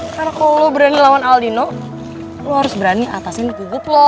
karena kalo lo berani lawan aldino lo harus berani atasin gugup lo